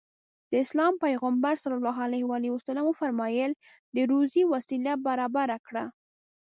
د اسلام پيغمبر ص وفرمايل د روزي وسيله برابره کړه.